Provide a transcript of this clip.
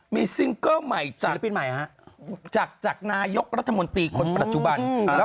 มีซิงเกิ้ลใหม่จากนายกรัฐมนตรีคนปัจจุบัน